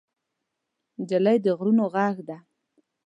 نجلۍ د زړونو غږ ده.